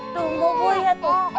tuh bobo ya tuh